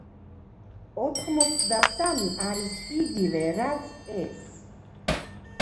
ოთხმოცდასამი არის იგივე რაც ეს.